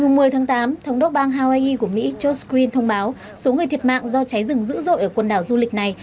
ngày một mươi tháng tám thống đốc bang hawaii của mỹ george green thông báo số người thiệt mạng do cháy rừng dữ dội ở quần đảo du lịch này